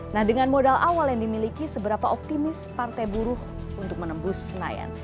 nah dengan modal awal yang dimiliki seberapa optimis partai buruh untuk menembus senayan